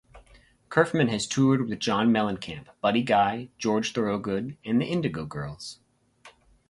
Curfman has toured with John Mellencamp, Buddy Guy, George Thorogood and The Indigo Girls.